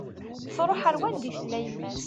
Truḥ ar wanda i tella yemma-s